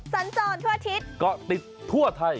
สัญจรทั่วอาทิตย์เกาะติดทั่วไทย